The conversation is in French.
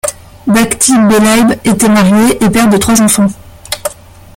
Bakhti Belaib était marié et père de trois enfants.